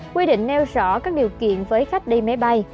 quy định nêu rõ các điều kiện với khách đi máy bay